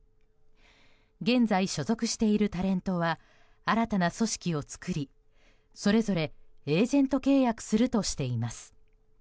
現在所属しているタレントは新たな組織を作りそれぞれエージェント契約するとしています。